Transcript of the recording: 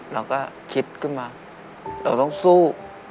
เราก็คิดขึ้นมาเราต้องสู้